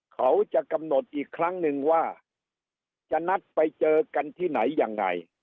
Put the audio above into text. เขาจะกำหนดอีกครั้งหนึ่งว่าจะนัดไปเจอกันที่ไหนยังไง